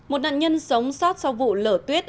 một nạn nhân sống sót sau vụ lở tuyết